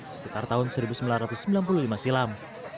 sekitar tahun seribu sembilan ratus sembilan puluh lima silam